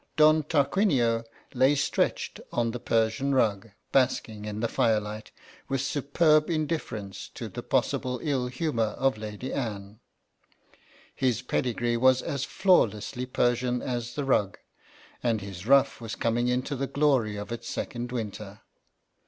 Don Tarquinio lay astretch on the Persian rug, basking in the firelight with superb indifference to the possible ill humour of Lady Anne. His pedigree was as flawlessly Persian as the rug, and his ruff was coming into the glory of its second winter.